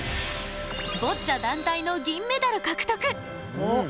ボッチャ団体の銀メダル獲得！